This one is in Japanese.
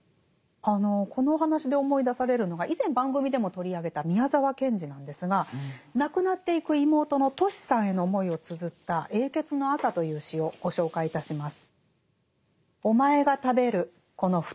このお話で思い出されるのが以前番組でも取り上げた宮沢賢治なんですが亡くなっていく妹のトシさんへの思いをつづった「永訣の朝」という詩をご紹介いたします。